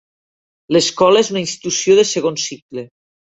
L'escola és una institució de segon cicle.